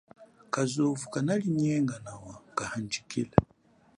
Kazovu kanalinyenga nawa kahandjikile.